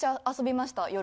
夜遊びしました。